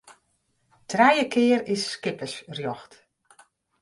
Trije kear is skippersrjocht.